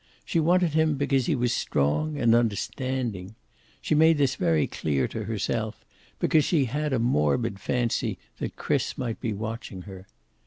She wanted him because he was strong and understanding. She made this very clear to herself, because she had a morbid fancy that Chris might be watching her.